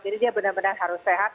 jadi dia benar benar harus sehat